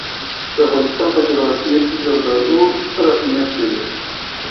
د افغانستان په جغرافیه کې زردالو ستر اهمیت لري.